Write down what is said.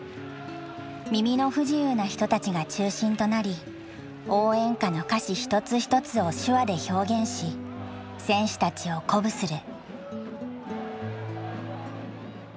耳の不自由な人たちが中心となり応援歌の歌詞一つ一つを手話で表現し選手たちを鼓舞する。